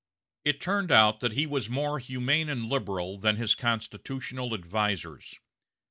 It turned out that he was more humane and liberal than his constitutional advisers.